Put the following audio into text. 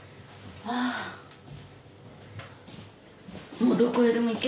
もうどこへでも行け。